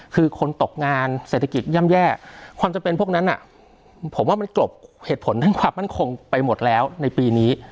คือคนตกงานเศรษฐกิจย่ำแย่ความจำเป็นพวกนั้นผมว่ามันกลบเหตุผลทางความมั่นคงไปหมดแล้วในปีนี้